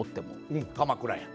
うん鎌倉や。